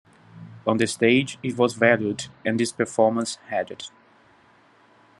On the stage, it was valued, and this performance had it.